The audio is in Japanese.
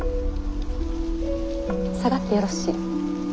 下がってよろしい。